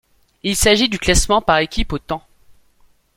Il s'agit du classement par équipe au temps.